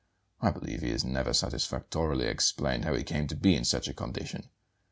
I believe he has never satisfactorily explained how he came to be in such a condition.